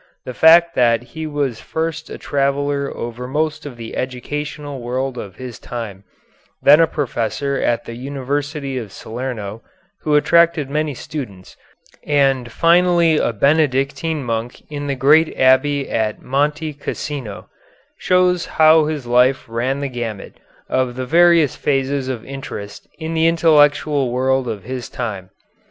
The fact that he was first a traveller over most of the educational world of his time, then a professor at the University of Salerno who attracted many students, and finally a Benedictine monk in the great abbey at Monte Cassino, shows how his life ran the gamut of the various phases of interest in the intellectual world of his time.